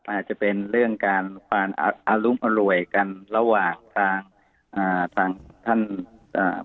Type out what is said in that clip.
อาจจะเป็นเรื่องการความอารุมอร่วยกันระหว่างทางอ่าทางท่านอ่า